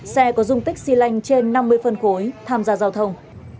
xe có dung tích xy lanh trên năm mươi phân khối tham gia giao thông